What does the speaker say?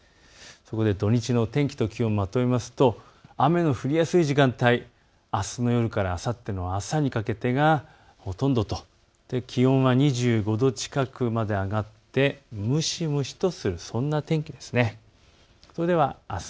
そこで土日の天気と気温をまとめると雨の降りやすい時間帯、あすの夜からあさっての朝にかけてがほとんどと気温は２５度近くまで上がって蒸し蒸しとする、そんな天気です。